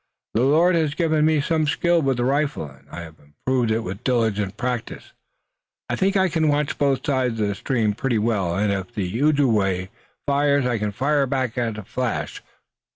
"The Lord has given me some skill with the rifle, and I have improved it with diligent practice. I think I can watch both sides of the stream pretty well, and if the Ojibway fires I can fire back at the flash.